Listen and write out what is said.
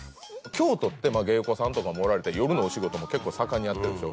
京都って芸妓さんとかもおられて夜のお仕事も結構盛んにやってるでしょ